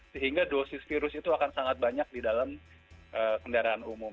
sehingga dosis virus itu akan sangat banyak di dalam kendaraan umum